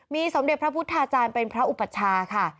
มีสมเด็จพระพุทธาจารย์เป็นพระอุปัชชาค่ะ